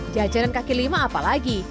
jajanan kaki lima apa lagi